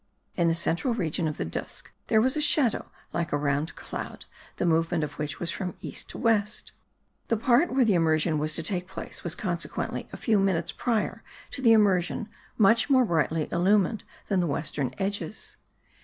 In the central region of the disc there was a shadow like a round cloud, the movement of which was from east to west. The part where the immersion was to take place was consequently a few minutes prior to the immersion much more brightly illumined than the western edges.